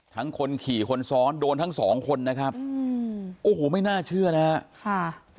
คนขี่คนซ้อนโดนทั้งสองคนนะครับอืมโอ้โหไม่น่าเชื่อนะฮะค่ะ